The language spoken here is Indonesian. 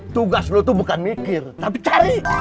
tugas lo tuh bukan mikir tapi cari